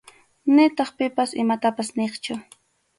Nitaq pipas imatapas niqchu.